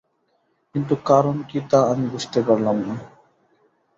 কিন্তু কারণ কী তা আমি বুঝতে পারলাম না।